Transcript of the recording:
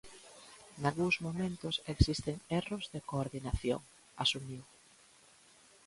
"Nalgúns momentos existen erros de coordinación", asumiu.